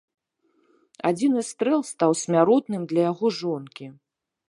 Адзіны стрэл стаў смяротным для яго жонкі.